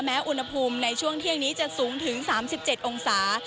อุณหภูมิในช่วงเที่ยงนี้จะสูงถึง๓๗องศา